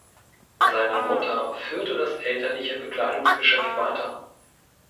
Seine Mutter führte das elterliche Bekleidungsgeschäft weiter.